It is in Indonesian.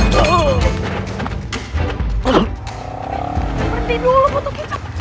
berhenti dulu butuh kecap